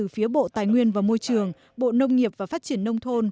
về nguyên và môi trường bộ nông nghiệp và phát triển nông thôn